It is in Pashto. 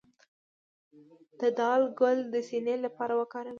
د دال ګل د سینې لپاره وکاروئ